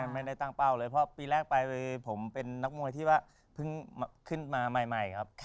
ไม่ได้ตั้งเป้าเลยเพราะปีแรกไปผมเป็นนักมวยที่ว่าเพิ่งขึ้นมาใหม่ครับ